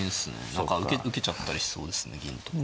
何か受けちゃったりしそうですね銀とか。